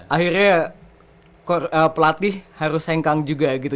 akhirnya pelatih harus hengkang juga gitu